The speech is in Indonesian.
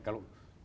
kalau kita dalam